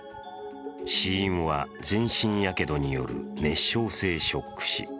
死因は全身やけどによる熱傷性ショック死。